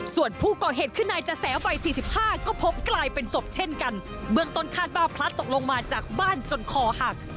ส่วนผู้ก่อเหตุคือนายจะแสวัยสี่สิบห้าก็พบกลายเป็นศพเช่นกันเบื้องต้นคาดว่าพลัดตกลงมาจากบ้านจนคอหัก